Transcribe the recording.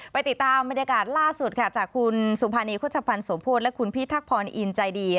ไปติดตามบรรยากาศล่าสุดค่ะจากคุณสุภานีโฆษภัณฑ์สมโพธิและคุณพี่ทักพรอินใจดี